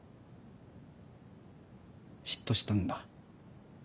嫉妬したんだ。